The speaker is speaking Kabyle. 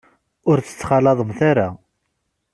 Ur tt-ttxalaḍemt ara.